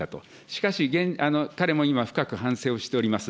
しかし、彼も今、深く反省をしております。